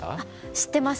知ってます。